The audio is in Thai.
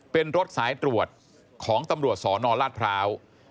เป็นรถสายตรวจของตำรวจสนราชพร้าว